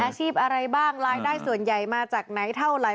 อาชีพอะไรบ้างรายได้ส่วนใหญ่มาจากไหนเท่าไหร่